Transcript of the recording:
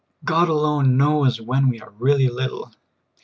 God alone knows when we are really little.